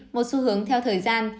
một xu hướng theo thời gian